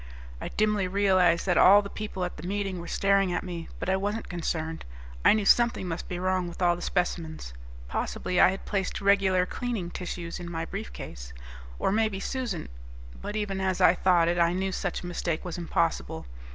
I dimly realized that all the people at the meeting were staring at me, but I wasn't concerned. I knew something must be wrong with all the specimens; possibly I had placed regular cleaning tissues in my briefcase, or maybe Susan ... but even as I thought it I knew such a mistake was impossible.